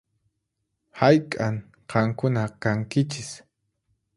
Hayk'an qankuna kankichis?